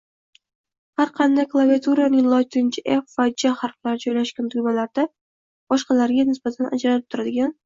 Har qanday klaviaturaning logincha F va J harflari joylashgan tugmalarda boshqalariga nisbatan ajralib turadigan